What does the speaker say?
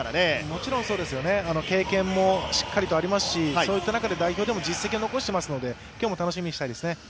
もちろんそうですよね、経験もしっかりとありますしそういった中で代表でも実績を残していますので、今日も楽しみにしたいですよね。